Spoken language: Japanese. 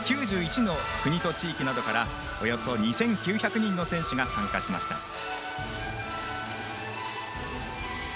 ９１の国と地域などからおよそ２９００人の選手が参加しました。